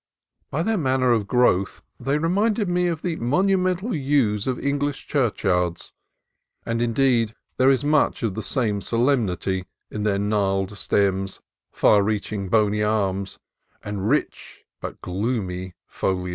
By their manner of growth they reminded me of the monumental yews of Eng lish churchyards; and, indeed, there is much of the same solemnity in their gnarled stems, far reaching, bony arms, and rich but gloomy foliage.